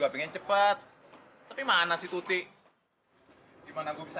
mbak disini kalau memang itu bener